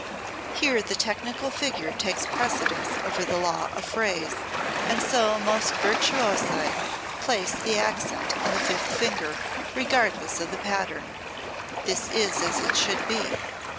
Here the technical figure takes precedence over the law of the phrase, and so most virtuosi place the accent on the fifth finger, regardless of the pattern. This is as it should be.